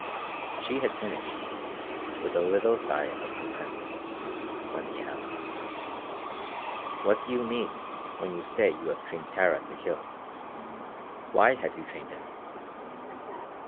She had finished, with a little sigh of content, when he asked: "What do you mean when you say that you have trained Tara to kill? Why have you trained him?"